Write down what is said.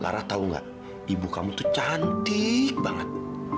lara lara tau gak ibu kamu tuh cantik banget